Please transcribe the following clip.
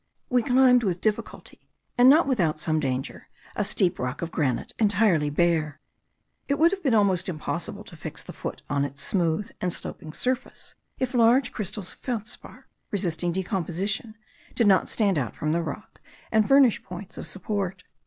We climbed with difficulty, and not without some danger, a steep rock of granite, entirely bare. It would have been almost impossible to fix the foot on its smooth and sloping surface, if large crystals of feldspar, resisting decomposition, did not stand out from the rock, and furnish points of support.